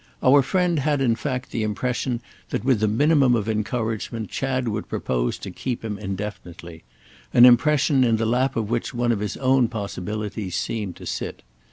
Our friend had in fact the impression that with the minimum of encouragement Chad would propose to keep him indefinitely; an impression in the lap of which one of his own possibilities seemed to sit.